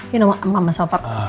you know mama sopak